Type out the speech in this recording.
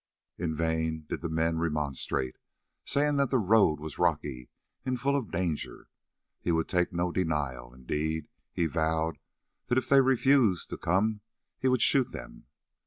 In vain did his men remonstrate, saying that the road was rocky and full of danger. He would take no denial; indeed, he vowed that if they refused to come he would shoot them.